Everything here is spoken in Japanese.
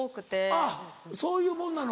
あっそういうもんなのか。